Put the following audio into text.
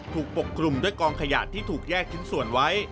ปกคลุมด้วยกองขยะที่ถูกแยกชิ้นส่วนไว้